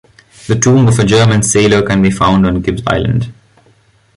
The tomb of a German sailor can be found on Gibbs Island.